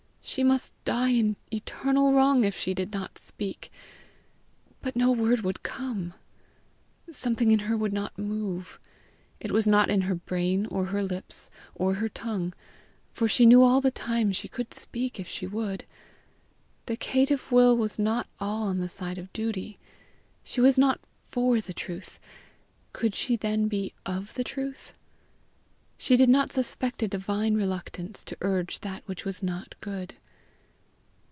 She must die in eternal wrong if she did not speak! But no word would come. Something in her would not move. It was not in her brain or her lips or her tongue, for she knew all the time she could speak if she would. The caitiff will was not all on the side of duty! She was not FOR the truth! could she then be OF the truth? She did not suspect a divine reluctance to urge that which was not good.